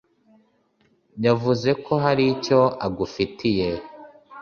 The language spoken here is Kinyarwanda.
yavuze ko hari icyo agufitiye.